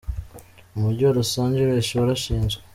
Umujyi wa Los Angeles warashinzwe.